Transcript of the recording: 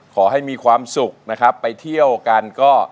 ขอให้มีความสุขนะครับไปเที่ยวกันก็